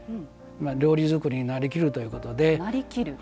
料理作りになりきるということで。